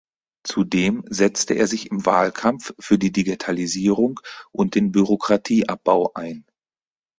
Zudem setzte er sich im Wahlkampf für die Digitalisierung und den Bürokratieabbau ein.